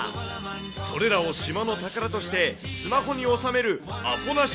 それらを島の宝としてスマホに収めるアポなし